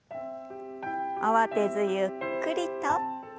慌てずゆっくりと。